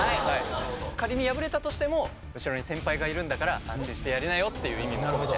仮に敗れたとしても後ろに先輩がいるんだから安心してやりなよっていう意味も込めて。